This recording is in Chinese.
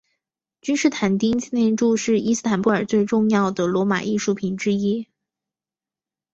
君士坦丁纪念柱是伊斯坦布尔最重要的罗马艺术品之一。